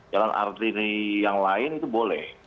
jalan artini yang lain itu boleh